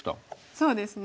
そうですね。